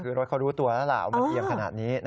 คือรถเขาดูตัวแล้วเหล่ามันเกี่ยวขนาดนี้นะ